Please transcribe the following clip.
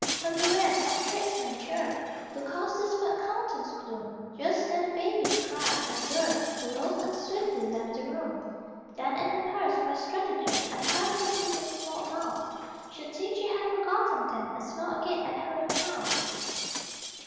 A murrain on the tradesman churl Who caused this fair accountant's gloom! Just then a baby's cry my girl Arose and swiftly left the room. Then in her purse by stratagem I thrust some bills of small amounts She'll think she had forgotten them, And smile again at her accounts!